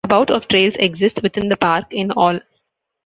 About of trails exist within the park in all.